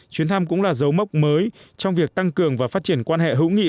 chuyến thăm cũng là dấu mốc mới trong việc tăng cường và phát triển quan hệ hữu nghị